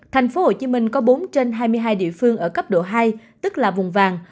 thành phố hồ chí minh có bốn trên hai mươi hai địa phương ở cấp độ hai tức là vùng vàng